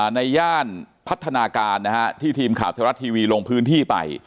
ย่านพัฒนาการที่ทีมข่าวไทยรัฐทีวีลงพื้นที่ไป